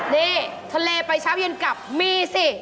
นี่ทะเลไปเช้าเย็นกลับมีสิ